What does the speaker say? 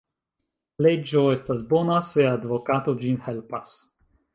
Leĝo estas bona, se advokato ĝin helpas.